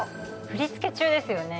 振り付け中ですよね。